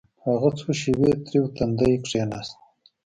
هغه څو شېبې تريو تندى کښېناست.